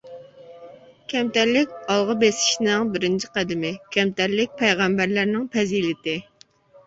كەمتەرلىك ئالغا بېسىشنىڭ بىرىنچى قەدىمى، كەمتەرلىك پەيغەمبەرلەرنىڭ پەزىلىتى.